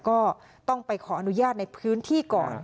ก็ต้องไปขออนุญาตในพื้นที่ก่อน